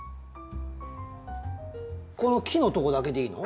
この木のとこだけでいいの？